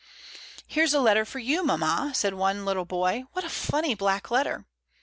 COFFEE. 51 "Here's a letter for you, mamma," said one little boy, "what a fimny black letter."